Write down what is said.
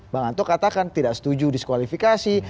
bang anto katakan tidak setuju diskualifikasi